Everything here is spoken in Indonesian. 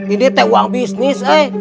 ini teh uang bisnis eh